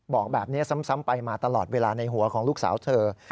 บอกแบบนี้ซ้ำไปมาตลอดเวลาในหัวของลูกสาวเธอ